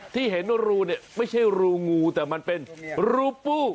ที่เห็นว่ารูเนี่ยไม่ใช่รูงูแต่มันเป็นรูปู